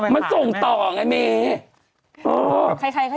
มันจะส่งต่ออีเจ๊กมันเอาไปขาดไอ้แม่